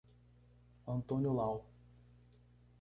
Antônio Lau